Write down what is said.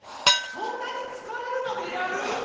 そんな疲れるまでやる？